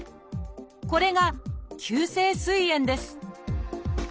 これが「急性すい炎」です